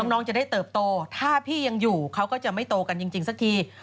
น้องจะได้เติบโตถ้าพี่ยังอยู่เขาก็จะไม่โตกันจริงสักที